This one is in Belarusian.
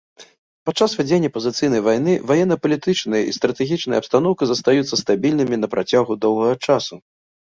Падчас вядзення пазіцыйнай вайны ваенна-палітычная і стратэгічная абстаноўка застаюцца стабільнымі на працягу доўгага часу.